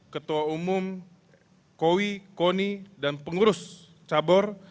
ketua umum kowi koni dan pengurus cabur